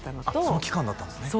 その期間だったんですね